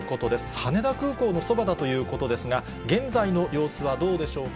羽田空港のそばだということですが、現在の様子はどうでしょうか。